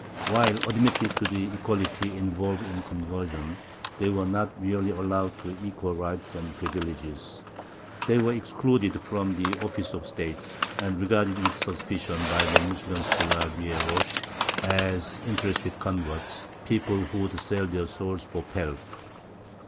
While admitted to the equality involved in conversion, they were not really allowed equal rights and privileges; they were excluded from the offices of State, and regarded with suspicion by the Moslems de la vielle roche as interested converts, people who would sell their souls for pelf.